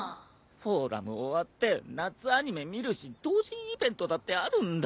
フォーラム終わって夏アニメ見るし同人イベントだってあるんだよ。